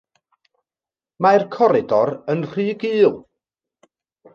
Mae'r coridor yn rhy gul.